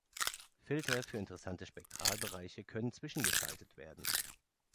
Filter für interessante Spektralbereiche können zwischengeschaltet werden.